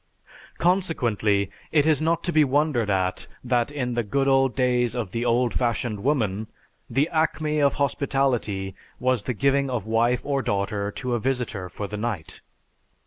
Consequently, it is not to be wondered at that in the "good old days of the old fashioned woman," the acme of hospitality was the giving of wife or daughter to a visitor for the night.